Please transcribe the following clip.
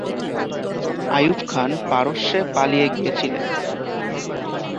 আইয়ুব খান পারস্যে পালিয়ে গিয়েছিলেন।